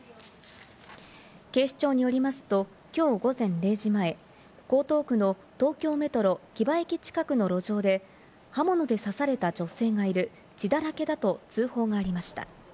警視庁によりますと、きょう午前０時前、江東区の東京メトロ木場駅近くの路上で、刃物で刺された女性がいる、血だらけだと通報がありました。